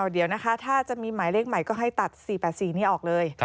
เดี๋ยวนะคะถ้าจะมีหมายเลขใหม่ก็ให้ตัด๔๘๔นี้ออกเลย